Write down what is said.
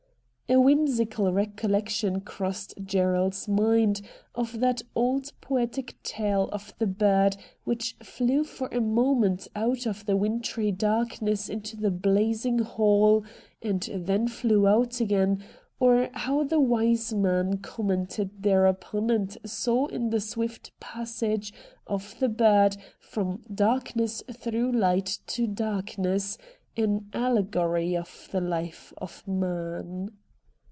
A whimsical recollection crossed Gerald's mind of that old poetic tale of the bird which flew for a moment out of the wintry darkness into the blazing hall and then flew out again, and how the wise man commented thereupon and saw in the swift passage of the bird from darkness through light to darkness an allegory of the life of man.